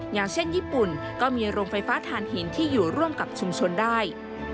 อย่างเช่นญี่ปุ่นก็มีโรงไฟฟ้าฐานหินที่อยู่ร่วมกับชุมชนได้